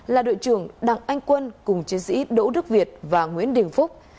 là đội trưởng đặng anh quân cùng chiến sĩ đỗ đức việt và nguyễn đình phúc